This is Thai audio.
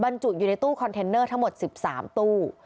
บรรจุอยู่ในตู้คอนเทนเนอร์ทั้งหมด๑๓ตู้